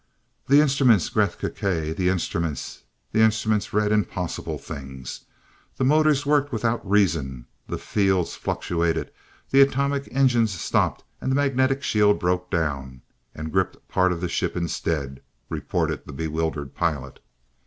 "The instruments Gresth Gkae the instruments. The instruments read impossible things, the motors worked without reason, the fields fluctuated the atomic engines stopped and the magnetic shield broke down and gripped part of the ship instead!" reported the bewildered pilot.